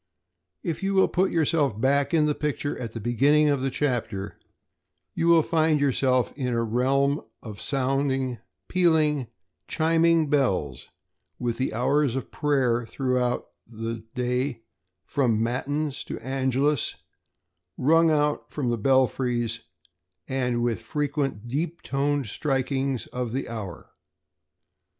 If you will put yourself back in the picture at the beginning of the chapter, you will find yourself in a realm of sounding, pealing, chiming bells with the hours of prayer throughout the day, from matins to angelus, rung out from the belfries, and with frequent deep toned strikings of the hour.